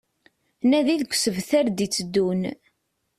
Nadi deg usebter d-iteddun